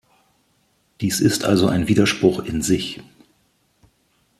Dies ist also ein Widerspruch in sich.